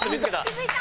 気付いた！